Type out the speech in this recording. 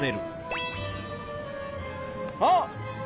あっ！